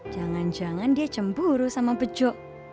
jangan jangan dia cemburu sama bejo